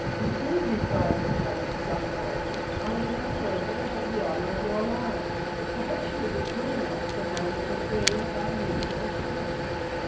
"Indeed, replied the judge, with some amazement," I was not aware that I had the honour of your alliance; perhaps you will be good enough to name the degree of our mutual affinity."